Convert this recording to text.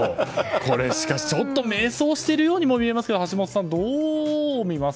これしかし迷走しているようにも見えますが橋下さん、どう見ます？